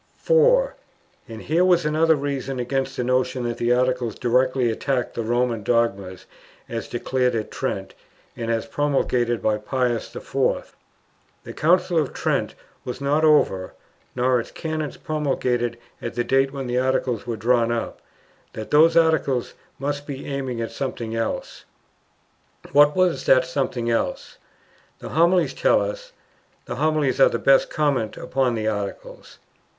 4. And here was another reason against the notion that the Articles directly attacked the Roman dogmas as declared at Trent and as promulgated by Pius the Fourth: the Council of Trent was not over, nor its Canons promulgated at the date when the Articles were drawn up, so that those Articles must be aiming at something else? What was that something else? The Homilies tell us: the Homilies are the best comment upon the Articles.